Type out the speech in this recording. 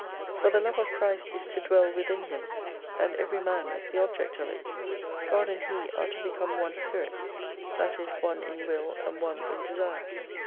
For the love of Christ is to dwell within him, and every man is the object of it. God and he are to become one Spirit, that is one in will, and one in desire.